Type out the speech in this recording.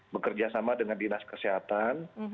bekerja sama dengan dinas kesehatan